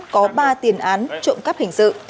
có ba tiền án trộm cắt hình sự